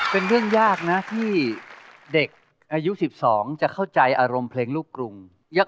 เป็นเรื่องยากนะที่เด็กอายุ๑๒จะเข้าใจอารมณ์เพลงลูกกรุง